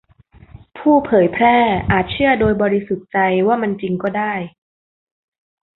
ผู้เผยแพร่อาจเชื่อโดยบริสุทธิ์ใจว่ามันจริงก็ได้